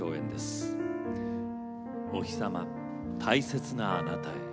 「おひさま大切なあなたへ」。